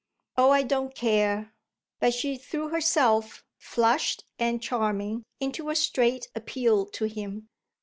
"Oh I don't care!" but she threw herself, flushed and charming, into a straight appeal to him.